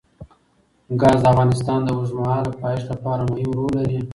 ګاز د افغانستان د اوږدمهاله پایښت لپاره مهم رول لري.